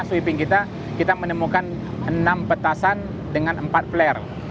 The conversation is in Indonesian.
sweeping kita kita menemukan enam petasan dengan empat plare